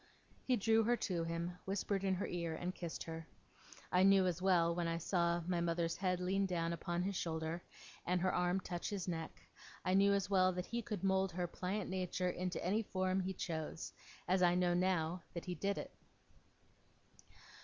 He drew her to him, whispered in her ear, and kissed her. I knew as well, when I saw my mother's head lean down upon his shoulder, and her arm touch his neck I knew as well that he could mould her pliant nature into any form he chose, as I know, now, that he did it.